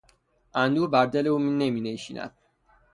اندوه بر دل او نمینشیند.